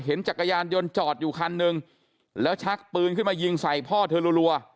จักรยานยนต์จอดอยู่คันหนึ่งแล้วชักปืนขึ้นมายิงใส่พ่อเธอรัว